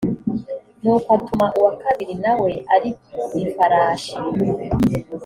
nuko atuma uwa kabiri na we ari ku ifarashi